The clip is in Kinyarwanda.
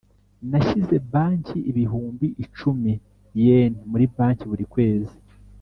nashyize banki ibihumbi icumi yen muri banki buri kwezi.